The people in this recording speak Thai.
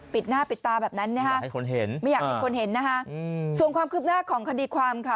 ปิดหน้าปิดตาแบบนั้นนะฮะให้คนเห็นไม่อยากให้คนเห็นนะคะอืมส่วนความคืบหน้าของคดีความค่ะ